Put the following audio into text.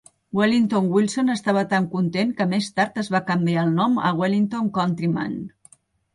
Wellington Wilson estava tan content que més tard es va canviar el nom a Wellington Countryman.